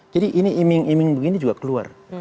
jadi ini iming iming begini juga keluar